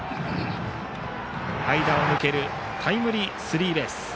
間を抜けるタイムリースリーベース。